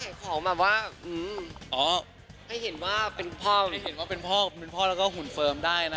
ของแบบว่าให้เห็นว่าเป็นพ่อเนี่ยเห็นว่าเป็นพ่อเป็นพ่อแล้วก็หุ่นเฟิร์มได้นะ